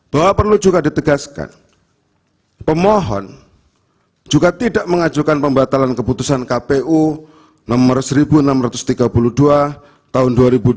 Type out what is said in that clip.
bahwa perlu juga ditegaskan pemohon juga tidak mengajukan pembatalan keputusan kpu nomor seribu enam ratus tiga puluh dua tahun dua ribu dua puluh